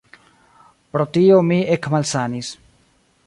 Pro tio mi ekmalsanis.